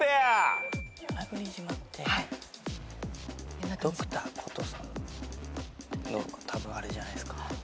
与那国島ってＤｒ．コトーさんのあれじゃないですか？